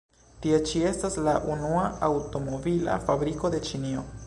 Tie ĉi estas la unua aŭtomobila fabriko de Ĉinio.